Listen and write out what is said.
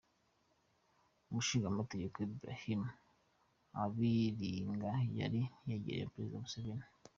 Umushingamateka Ibrahim Abiringa yari yegereye Perezida Museveni.